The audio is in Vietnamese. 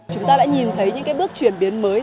chúng ta đã nhìn thấy những bước chuyển biến mới